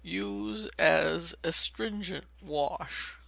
Use as astringent wash.